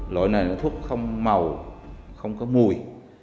lỗi này là thuốc không màu không có mùi